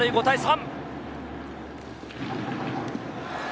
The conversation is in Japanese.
５対３。